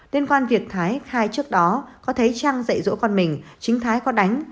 liên quan việc thái khai trước đó có thấy trang dạy dỗ con mình chính thái có đánh